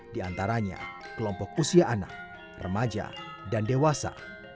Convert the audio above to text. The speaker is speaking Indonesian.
di antaranya kelompok usia anak remaja dan dewasa